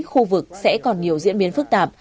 khu vực sẽ còn nhiều diễn biến phức tạp